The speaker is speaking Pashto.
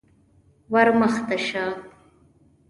_ور مخته شه.